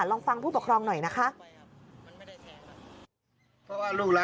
ลองฟังผู้ปกครองหน่อยนะคะ